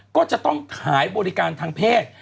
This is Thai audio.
ก็จะต้องขายบริการทางเพศ